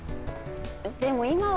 でも今は。